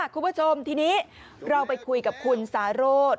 คุณผู้ชมทีนี้เราไปคุยกับคุณสาโรธ